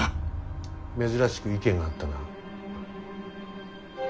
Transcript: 珍しく意見が合ったな。